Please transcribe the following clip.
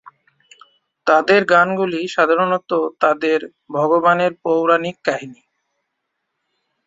তাদের গানগুলি সাধারণত তাদের ভগবানের পৌরাণিক কাহিনী।